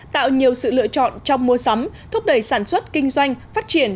tạo nhiều sự lựa chọn trong mua sắm thúc đẩy sản xuất kinh doanh phát triển